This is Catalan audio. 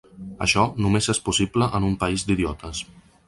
Això, només és possible en un país d’idiotes.